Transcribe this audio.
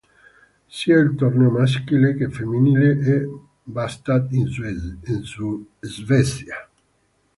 Sia il torneo maschile che femminile a Båstad in Svezia.